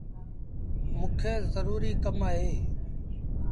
موݩ کي زروري ڪم اهي۔